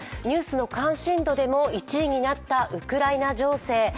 ニュースの関心度でも１位になったウクライナ情勢。